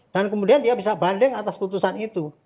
dan kemudian dia bisa banding atas keputusan itu